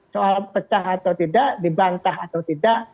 soal pecah atau tidak dibantah atau tidak